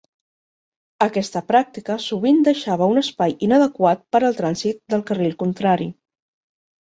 Aquesta pràctica sovint deixava un espai inadequat per al trànsit del carril contrari.